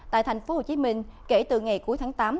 tại thành phố hồ chí minh kể từ ngày cuối tháng tám